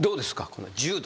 この柔道。